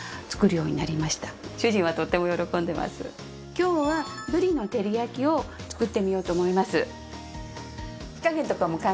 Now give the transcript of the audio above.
今日はぶりの照り焼きを作ってみようと思います。